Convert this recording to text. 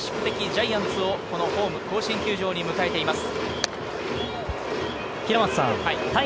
ジャイアンツをこのホーム、甲子園球場に迎えています。